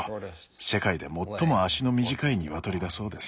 世界で最も足の短いニワトリだそうです。